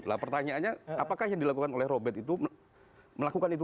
nah pertanyaannya apakah yang dilakukan oleh robert itu melakukan itu